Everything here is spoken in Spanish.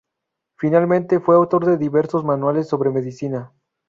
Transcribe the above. Finalmente, fue autor de diversos manuales sobre medicina.